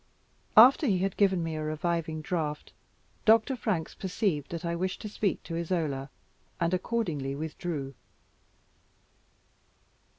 After he had given me a reviving draught, Dr. Franks perceived that I wished to speak to Isola, and accordingly withdrew.